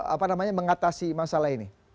apa namanya mengatasi masalah ini